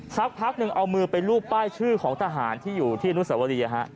สักพักหนึ่งเอามือไปรูปป้ายชื่อของทหารที่อยู่ที่อนุสวรี